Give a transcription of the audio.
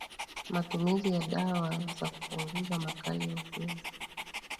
matumizi ya dawa za kupunguza makali ya ukimwi